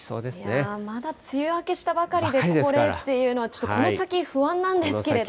いやー、まだ梅雨明けしたばかりでこれっていうのは、ちょっとこの先不安なんですけれども。